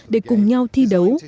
để cùng nhau thi đấu